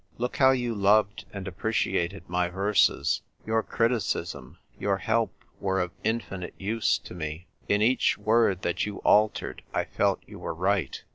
Look how you loved and appreciated my verses ! Your criticism, your help, were of infinite use to me. In each word that you altered I felt you were right.